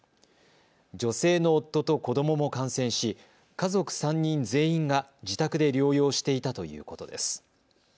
女性の夫と子どもも感染し家族３人全員が自宅で療養していたということです。